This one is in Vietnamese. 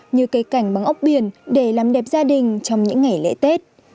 như cây cảnh băng ốc biển để làm đẹp gia đình trong những ngày lễ tết